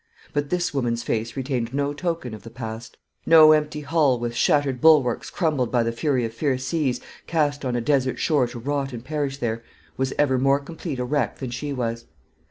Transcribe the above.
But this woman's face retained no token of the past. No empty hull, with shattered bulwarks crumbled by the fury of fierce seas, cast on a desert shore to rot and perish there, was ever more complete a wreck than she was.